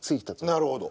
なるほど。